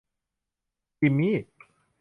จิมมี่